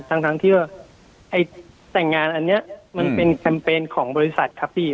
ทั้งที่ว่าไอ้แต่งงานอันนี้มันเป็นแคมเปญของบริษัทครับพี่